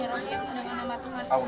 dengan nama tuhan